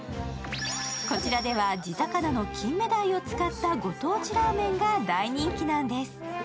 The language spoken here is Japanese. こちらでは地魚の金目鯛を使ったご当地ラーメンが大人気なんです。